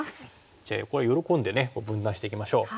じゃあここは喜んで分断していきましょう。